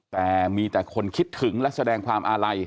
แต่มีแต่คนคิดถึงและแสดงความอาลัย